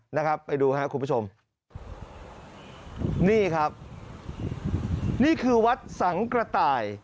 นะครับไปดูฮะคุณผู้ชมนี่ครับนี่คือวัดสังกระต่าย